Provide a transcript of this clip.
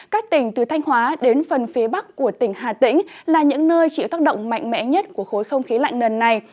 các tỉnh từ thanh hóa đến phần phía bắc của tỉnh hà tĩnh là những nơi chịu tác động mạnh mẽ nhất của khối không khí lạnh lần này